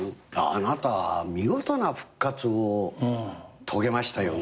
あなた見事な復活を遂げましたよね。